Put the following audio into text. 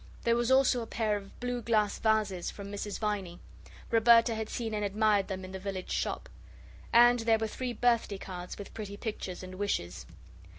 There was also a pair of blue glass vases from Mrs. Viney. Roberta had seen and admired them in the village shop. And there were three birthday cards with pretty pictures and wishes.